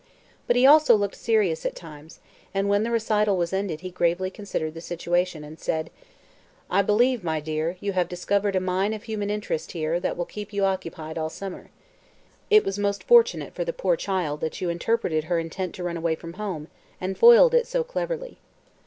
But he also looked serious, at times, and when the recital was ended he gravely considered the situation and said: "I believe, my dear, you have discovered a mine of human interest here that will keep you occupied all summer. It was most fortunate for the poor child that you interpreted her intent to run away from home and foiled it so cleverly.